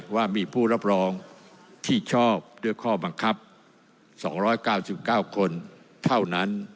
ว่ามีผู้รับรองที่ชอบด้วยข้อบังคับ๒๙๙คนเท่านั้น